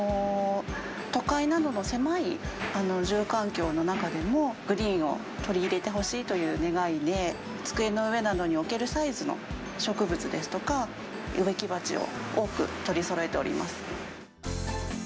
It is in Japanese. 都会などの狭い住環境の中でも、グリーンを取り入れてほしいという願いで、机の上などに置けるサイズの植物ですとか、植木鉢を多く取りそろえております。